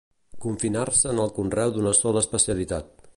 Confinar-se en el conreu d'una sola especialitat.